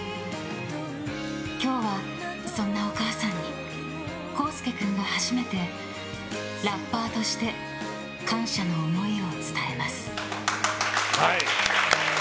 今日は、そんなお母さんに洸佑君が初めてラッパーとして感謝の思いを伝えます！